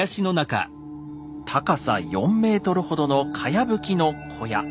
高さ４ｍほどのかやぶきの小屋。